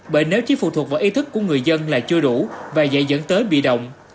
bởi nếu chỉ phụ thuộc vào ý thức của người dân là chưa đủ và dễ dẫn tới bị động